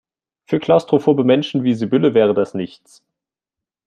Für klaustrophobe Menschen wie Sibylle wäre das nichts.